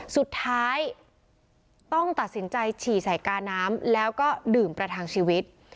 สุดท้ายต้องตัดสินใจฉี่ใส่กาน้ำแล้วก็ดื่มประทังชีวิต